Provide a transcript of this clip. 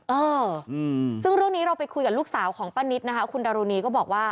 เออซึ่งเรื่องนี้เราไปคุยกับลูกสาวของป้านิตนะคะคุณดารุณีก็บอกว่า